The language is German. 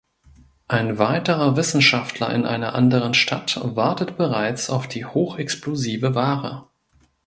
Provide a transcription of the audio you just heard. Ein weiterer Wissenschaftler in einer anderen Stadt wartet bereits auf die hochexplosive Ware.